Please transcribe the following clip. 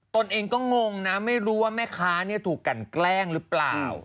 ตนเองก็งงนะไม่รู้ว่าแม่ค้าถูกกันแกล้งหรือเปล่า